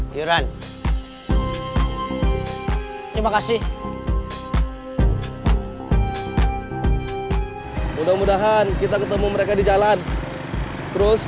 gimana kalau kita berdua berdua